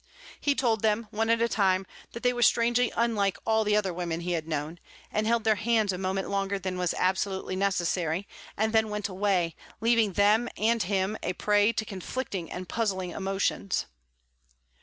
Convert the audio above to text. He told them, one at a time, that they were strangely unlike all the other women he had known, and held their hands a moment longer than was absolutely necessary, and then went away, leaving them and him a prey to conflicting and puzzling emotions.